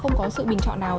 không có sự bình chọn nào